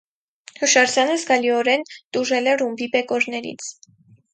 Հուշարձանը զգալիորեն տուժել է ռումբի բեկորներից։